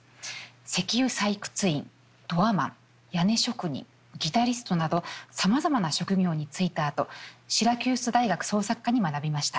石油採掘員ドアマン屋根職人ギタリストなどさまざまな職業に就いたあとシラキュース大学創作科に学びました。